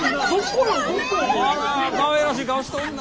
あらかわいらしい顔しとんな。